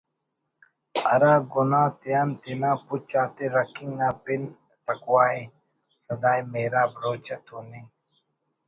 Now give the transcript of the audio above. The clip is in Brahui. ہرا گناہ تیان تینا پچ آتے رکھنگ نا پن تقویٰ ءِ (صدائے محراب) روچہ توننگ